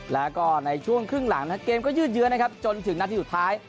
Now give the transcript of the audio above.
แล้วก็ในช่วงครึ่งหลังนะครับเกมก็ยืดเยอะนะครับจนถึงนาทีสุดท้าย